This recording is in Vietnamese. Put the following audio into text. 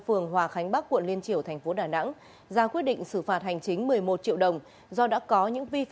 phường hòa khánh bắc quận liên triều tp đà nẵng ra quyết định xử phạt hành chính